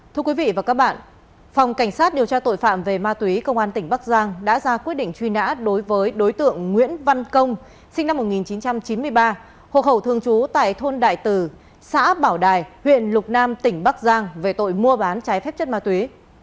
thưa quý vị và các bạn phòng cảnh sát điều tra tội phạm về ma túy công an tỉnh bắc giang đã ra quyết định truy nã đối với đối tượng nguyễn văn công sinh năm một nghìn chín trăm chín mươi ba hộ khẩu thường trú tại thôn đại tử xã bảo đài huyện lục nam tỉnh bắc giang về tội mua bán trái phép chất ma túy